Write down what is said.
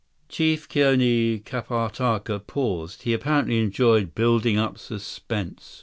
Chief Kioni Kapatka paused. He apparently enjoyed building up suspense.